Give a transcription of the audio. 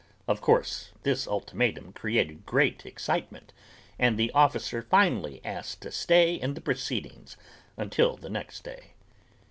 Of course this ultimatum created great excitement and the officer finally asked a stay in the proceedings until the next day.